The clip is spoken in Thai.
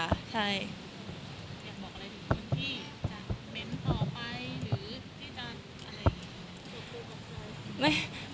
อยากบอกอะไรถึงที่จะเม้นต์ต่อไปหรือที่จะอะไรกับตัวกับตัว